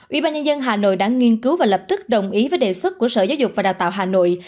ủy ban nhân dân hà nội đã nghiên cứu và lập tức đồng ý với đề xuất của sở giáo dục và đào tạo hà nội